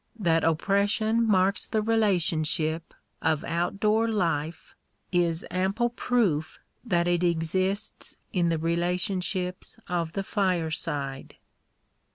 that oppression marks the relationships of out door life, is ample proof that it exists in the relationships of the fireside.